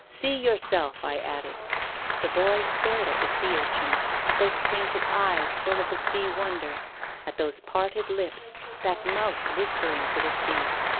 ' See yourself,' I added. The boy stared at the sea urchin, at those painted eyes full of the sea wonder, at those parted lips, that mouth whispering to the sea.